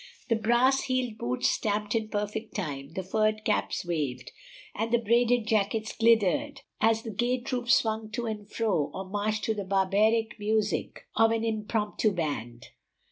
The brass heeled boots stamped in perfect time, the furred caps waved, and the braided jackets glittered as the gay troop swung to and fro or marched to the barbaric music of an impromptu band.